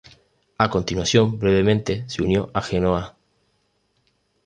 A continuación brevemente se unió a Genoa.